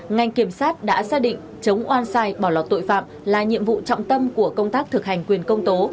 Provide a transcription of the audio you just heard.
ngành kiểm sát đã xác định chống oan sai bỏ lọt tội phạm là nhiệm vụ trọng tâm của công tác thực hành quyền công tố